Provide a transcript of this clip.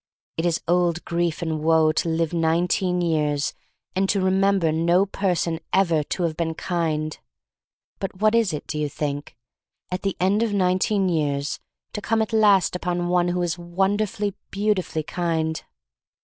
"It is old grief and woe to live nine teen yeays and to remember no person ever to have been kind. But what is it — do you think? — at the end of nine teen years, to come at last upon 6ne who is wonderfully, beautifully kind!